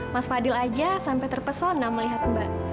mas fadil aja sampai terpesona melihat mbak